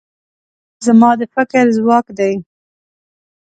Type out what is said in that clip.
رقیب زما د فکر ځواک دی